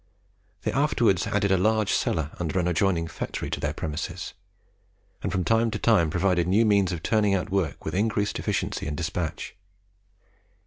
They afterwards added a large cellar under an adjoining factory to their premises; and from time to time provided new means of turning out work with increased efficiency and despatch.